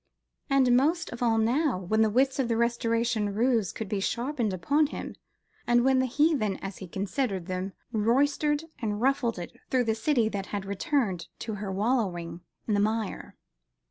And most of all now, when the wits of the Restoration roués could be sharpened upon him, and when the heathen, as he considered them, roistered and ruffled it through the city that had "returned to her wallowing in the mire."